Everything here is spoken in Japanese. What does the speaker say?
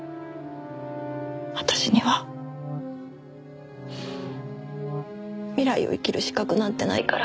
私には未来を生きる資格なんてないから。